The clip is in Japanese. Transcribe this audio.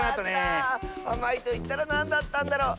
あまいといったらなんだったんだろう。